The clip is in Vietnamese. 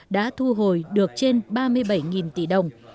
đã thu hồi được trên ba mươi bảy tỷ đồng